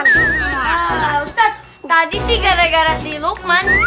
astaga ustaz tadi sih gara gara si lukman